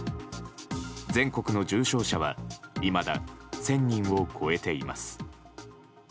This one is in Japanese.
全国の重症者はいまだ１０００人を超えています。